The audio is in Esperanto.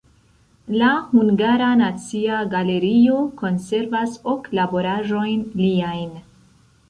La Hungara Nacia Galerio konservas ok laboraĵojn liajn.